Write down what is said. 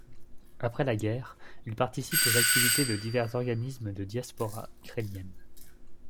Après la guerre, il participe aux activités de divers organismes de diaspora ukrainienne.